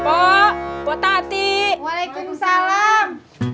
pak buatati waalaikumsalam